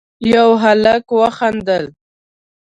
يوه هلک وخندل: